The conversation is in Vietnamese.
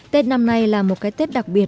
tết năm nay là một cái tết đặc biệt